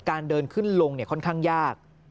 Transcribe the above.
การเดินขึ้นลงค่อนข้างยาก